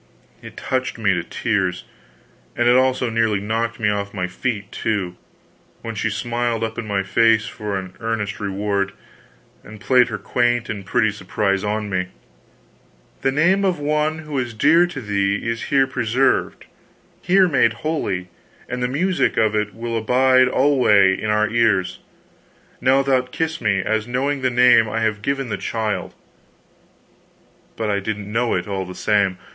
It touched me to tears, and it also nearly knocked me off my feet, too, when she smiled up in my face for an earned reward, and played her quaint and pretty surprise upon me: "The name of one who was dear to thee is here preserved, here made holy, and the music of it will abide alway in our ears. Now thou'lt kiss me, as knowing the name I have given the child." But I didn't know it, all the same.